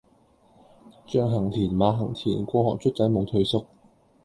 象行田,馬行日,過河卒仔無退縮